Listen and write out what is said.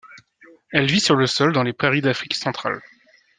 Elle vit sur le sol dans les prairies d'Afrique centrale.